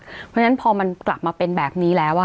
เพราะฉะนั้นพอมันกลับมาเป็นแบบนี้แล้ว